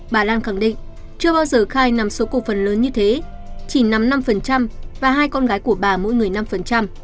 bà lan khẳng định chưa bao giờ khai nằm số cổ phần lớn như thế chỉ nắm năm và hai con gái của bà mỗi người năm